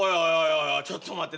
おいちょっと待て。